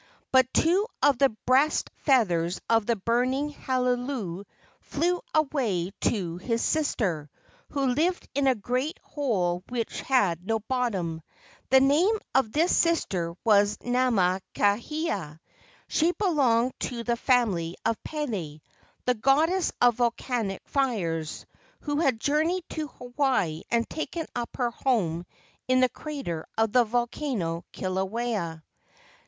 But two of the breast feathers of the burning Halulu flew away to his sister, who lived in a great hole which had no bottom. The name of this sister was Namakaeha. She belonged to the family of Pele, the goddess of volcanic fires, who had journeyed to Hawaii and taken up her home in the crater of the volcano Kilauea.